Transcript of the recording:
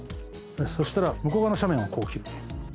そしたら向こう側の斜面をこう切る。